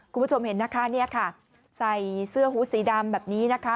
คุณผู้ชมเห็นนะคะใส่เสื้อหูสีดำแบบนี้นะคะ